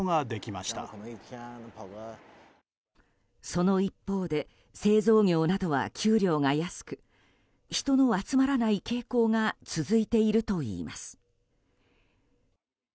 その一方で製造業などは給料が安く人の集まらない傾向が続いているといいます。